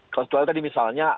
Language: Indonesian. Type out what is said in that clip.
kalau setelah tadi misalnya